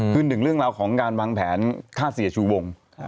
คือหนึ่งเรื่องราวของการวางแผนฆ่าเสียชูวง